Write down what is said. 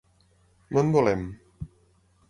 No en volem.